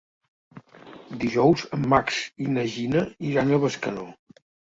Dijous en Max i na Gina iran a Bescanó.